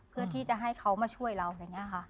เพื่อที่จะให้เขามาช่วยเราอย่างนี้ค่ะ